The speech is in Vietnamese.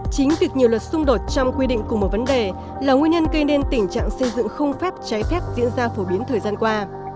chính việc nhiều luật xung đột trong quy định cùng một vấn đề là nguyên nhân gây nên tình trạng xây dựng không phép trái phép diễn ra phổ biến thời gian qua